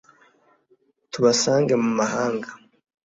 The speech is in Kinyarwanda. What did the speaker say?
tubasange mu mahanga